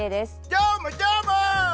どーも、どーも！